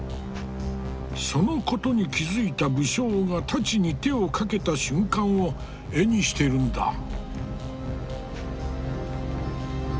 そのことに気付いた武将が太刀に手をかけた瞬間を絵にしてるんだ。